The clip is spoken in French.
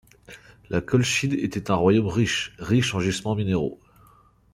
La Colchide était un royaume riche, riche en gisements minéraux.